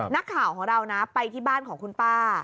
นักข่าวของเรานะไปที่บ้านของคุณป้า